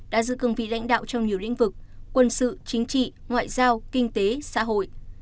đã giữ cương vị lãnh đạo trong nhiều lĩnh vực quân sự chính trị ngoại giao kinh tế xã hội